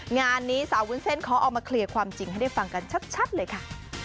งานนี้สาววุ้นเส้นเขาเอามาเคลียร์ความจริงให้ได้ฟังกันชัดเลยค่ะ